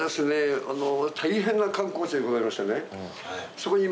そこに今。